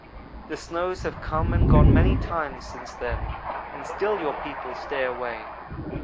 The snows have come and gone many times since then, and still your people stay away.